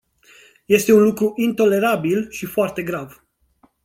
Este un lucru intolerabil și foarte grav.